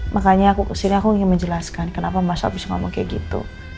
makanya sini aku ingin menjelaskan kenapa masal bisa ngomong kayak gitu